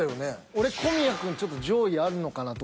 俺小宮くんちょっと上位あるのかなと。